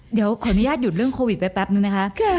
เดี๋ยวขออนุญาตหยุดเรื่องโควิดไว้แป๊บนึงนะคะ